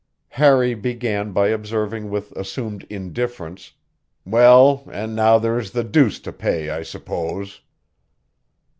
Harry began by observing with assumed indifference: "Well, and now there's the deuce to pay, I suppose."